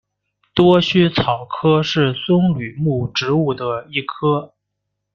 多须草科是棕榈目植物的一科。